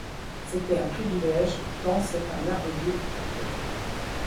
C'était un privilège tant c'est un merveilleux acteur.